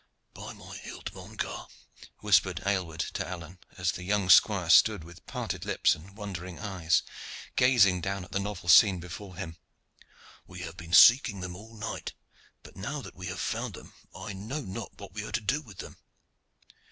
"By my hilt! mon gar.!" whispered Aylward to Alleyne, as the young squire stood with parted lips and wondering eyes, gazing down at the novel scene before him, "we have been seeking them all night, but now that we have found them I know not what we are to do with them."